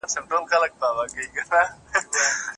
او که دواړي سترګي بندي وي څه ښه دي